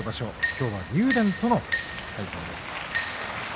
今日は竜電との対戦です。